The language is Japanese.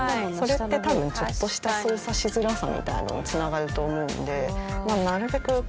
それって多分ちょっとした操作しづらさみたいなのにつながると思うんでなるべく